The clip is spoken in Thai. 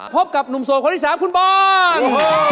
พบกับหนุ่มโสดคนที่๓คุณบอล